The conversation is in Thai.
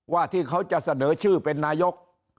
ที่เขาจะเสนอชื่อเป็นนายก